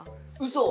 嘘？